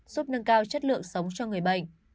giúp nâng cao chất lượng sống cho người bệnh